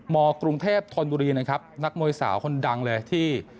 กรุงเทพธนบุรีนะครับนักมวยสาวคนดังเลยที่